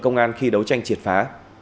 công an khi đấu tranh triệt phá